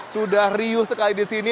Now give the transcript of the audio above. sudah riuh sekali disini